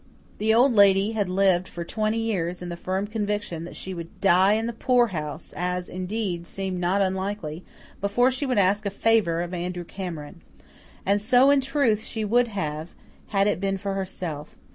The Old Lady had lived for twenty years in the firm conviction that she would die in the poorhouse as, indeed, seemed not unlikely before she would ask a favour of Andrew Cameron. And so, in truth, she would have, had it been for herself.